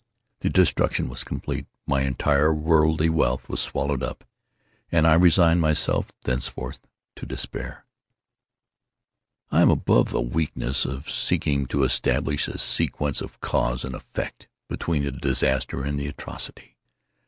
The destruction was complete. My entire worldly wealth was swallowed up, and I resigned myself thenceforward to despair. I am above the weakness of seeking to establish a sequence of cause and effect, between the disaster and the atrocity.